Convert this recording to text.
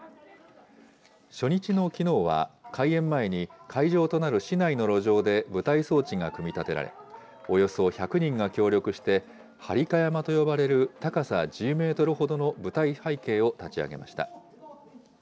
初日のきのうは、開演前に、会場となる市内の路上で舞台装置が組み立てられ、およそ１００人が協力して、はりか山と呼ばれる高さ１０メートルほどの舞台背景を立ち上げました。